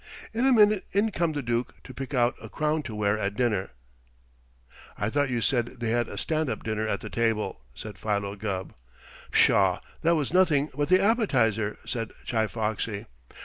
In a minute in come the Dook to pick out a crown to wear at dinner " "I thought you said they had a stand up dinner at the table," said Philo Gubb. "Pshaw, that was nothing but the appetizer," said Chi Foxy.